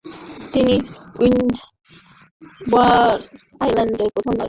তিনি Windward Island এর প্রথম নারী কর্মকর্তা ছিলেন।